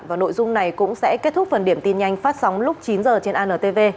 và nội dung này cũng sẽ kết thúc phần điểm tin nhanh phát sóng lúc chín h trên antv